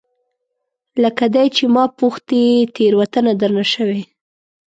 لکه دی چې ما پوښتي، تیروتنه درنه شوې؟